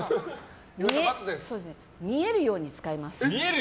見えるように使います。